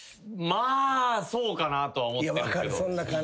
まあそうかなとは思ってるんすけど。